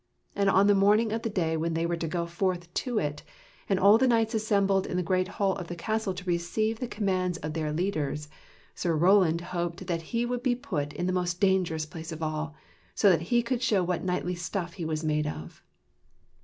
And on the morning of the day when they were to go forth to it, and all the knights assembled in the great hall of the castle to receive the commands of their leaders, Sir Roland hoped that he would be put in the most dangerous place of all, so that he could show what knightly stuff he was made of.